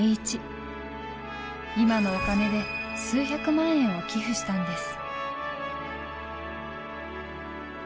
今のお金で数百万円を寄付したんです。